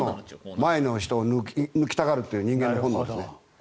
前の人を抜きたがるという人間の本能。